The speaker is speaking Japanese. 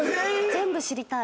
全部知りたい。